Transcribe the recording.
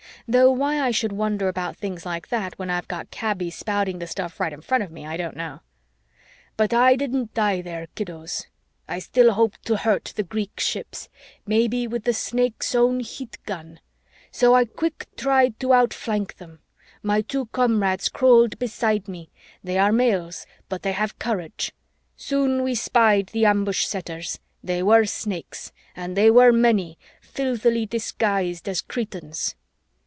Though why I should wonder about things like that when I've got Kaby spouting the stuff right in front of me, I don't know. "But I didn't die there, kiddos. I still hoped to hurt the Greek ships, maybe with the Snake's own heat gun. So I quick tried to outflank them. My two comrades crawled beside me they are males, but they have courage. Soon we spied the ambush setters. They were Snakes and they were many, filthily disguised as Cretans."